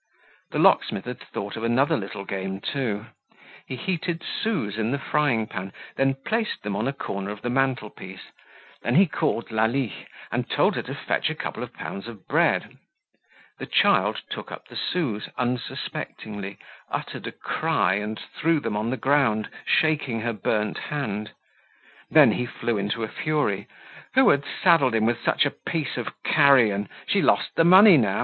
The locksmith had thought of another little game too. He heated sous in the frying pan, then placed them on a corner of the mantle piece; and he called Lalie, and told her to fetch a couple of pounds of bread. The child took up the sous unsuspectingly, uttered a cry and threw them on the ground, shaking her burnt hand. Then he flew into a fury. Who had saddled him with such a piece of carrion? She lost the money now!